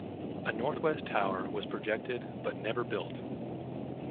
A northwest tower was projected but never built.